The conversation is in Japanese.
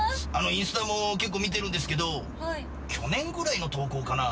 インスタも結構見てるんですけど去年ぐらいの投稿かな？